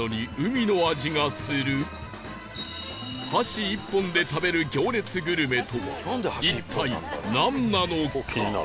箸１本で食べる行列グルメとは一体なんなのか？